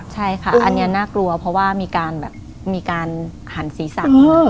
ใช่ค่ะอันนี้น่ากลัวเพราะว่ามีการแบบมีการหันศีรษะ